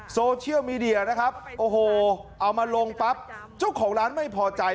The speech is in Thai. โซเชียลมีเดียนะครับโอ้โหเอามาลงปั๊บเจ้าของร้านไม่พอใจ